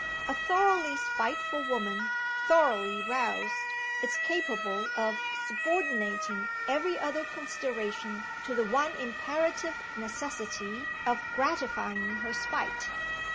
A thoroughly spiteful woman, thoroughly roused, is capable of subordinating every other consideration to the one imperative necessity of gratifying her spite.